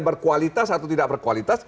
berkualitas atau tidak berkualitas